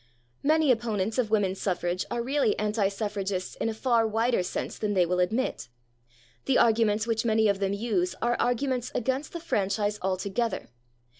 Many opponents of women's suffrage are really anti suffragists in a far wider sense than they will admit; the arguments which many of them use are arguments against the franchise altogether.